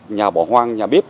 nhà bỏ hoang nhà bếp